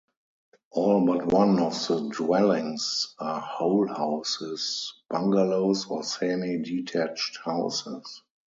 All but one of the dwellings are whole houses, bungalows, or semi-detached houses.